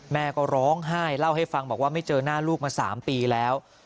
แม่ก็ร้องไห้เล่าให้ฟังบอกว่าไม่เจอหน้าลูกมา๓ปีแล้ว